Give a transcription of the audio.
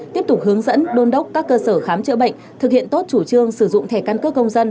tiếp tục hướng dẫn đôn đốc các cơ sở khám chữa bệnh thực hiện tốt chủ trương sử dụng thẻ căn cước công dân